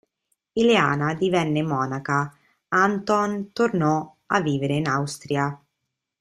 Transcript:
Ileana divenne monaca, Anton tornò a vivere in Austria.